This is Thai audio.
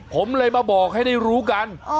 ผมเลยมาบอกให้ได้รู้กัน